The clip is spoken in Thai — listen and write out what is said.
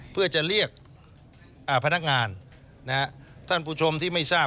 เพื่อจะเรียกพนักงานท่านผู้ชมที่ไม่ทราบ